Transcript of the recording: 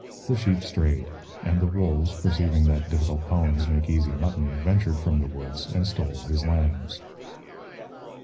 The sheep strayed, and the wolves, perceiving that difficult poems make easy mutton, ventured from the woods and stole his lambs.